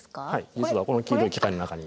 実はこの黄色い機体の中に。